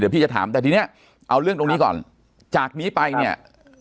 พี่จะถามแต่ทีนี้เอาเรื่องตรงนี้ก่อนจากนี้ไปเนี่ย